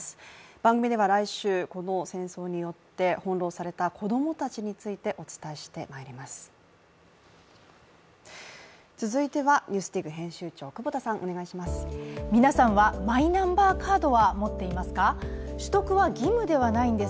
番組では来週、この戦争によって翻弄された子供たちについてお伝えしてまいります。